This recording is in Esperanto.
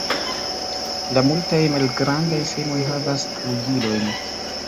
La multaj malgrandaj semoj havas flugilojn.